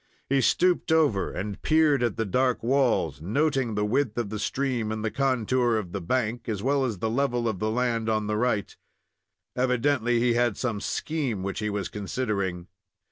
He stooped over and peered at the dark walls, noting the width of the stream and the contour of the bank, as well as the level of the land on the right. Evidently he had some scheme which he was considering.